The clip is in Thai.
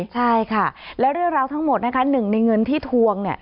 ใช่ค่ะแล้วเรื่องราวทั้งหมดนะคะหนึ่งในเงินที่ทวงเนี่ย